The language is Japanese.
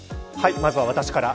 まずは私から。